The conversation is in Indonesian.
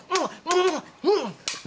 muah muah muah